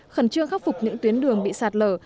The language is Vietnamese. khẩn trương khắc phục những tuyến đường bị sạt lở